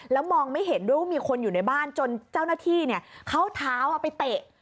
แล้วมองไม่เห็นด้วยว่ามีคนอยู่ในบ้านจนเจ้าหน้าที่เขาเท้าไปเตะ